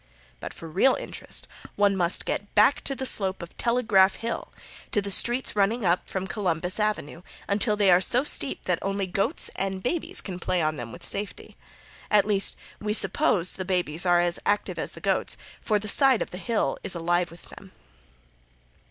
But for real interest one must get back to the slope of Telegraph Hill; to the streets running up from Columbus avenue, until they are so steep that only goats and babies can play on them with safety. At least we suppose the babies are as active as the goats for the sides of the hill are alive with them.